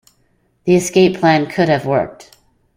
The escape plan could have worked.